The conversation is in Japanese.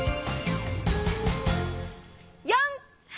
４！